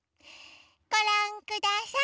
ごらんください。